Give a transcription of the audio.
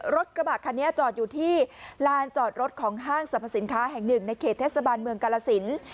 รถกระบะคันนี้จอดอยู่ที่ลานจอดรถของห้างสรรพสินค้าแห่งหนึ่งในเขตเทศบาลเมืองกาลสิน